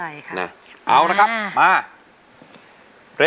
เยอะแฮล